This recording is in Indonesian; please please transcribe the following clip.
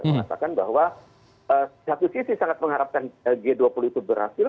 mengatakan bahwa satu sisi sangat mengharapkan g dua puluh itu berhasil